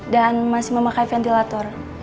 dan masih memakai ventilator